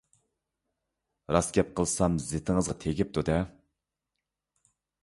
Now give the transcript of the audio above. راست گەپ قىلسام زىتىڭىزغا تېگىپتۇ-دە!